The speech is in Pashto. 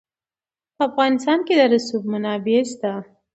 په افغانستان کې د رسوب منابع شته.